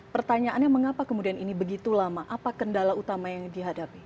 pertanyaannya mengapa kemudian ini begitu lama apa kendala utama yang dihadapi